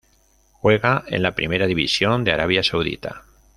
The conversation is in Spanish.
Juega en la Primera División de Arabia Saudita.